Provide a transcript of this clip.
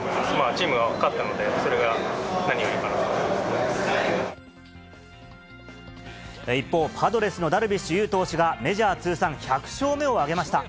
チームが勝ったので、一方、パドレスのダルビッシュ有投手が、メジャー通算１００勝目を挙げました。